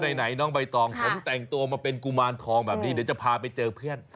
ไหนน้องใบตองผมแต่งตัวมาเป็นกุมารทองแบบนี้เดี๋ยวจะพาไปเจอเพื่อน